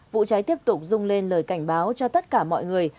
vụ cháy tiếp tục rung lên lời cảnh báo cho tất cả mọi người